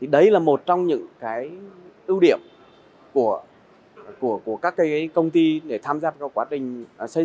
đấy là một trong những ưu điểm của các công ty